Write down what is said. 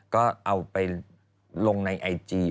ก็เอาไปลงในไอจี